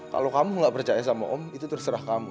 kalau kamu nggak percaya sama om itu terserah kamu